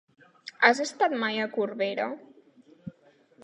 Has estat mai a Corbera?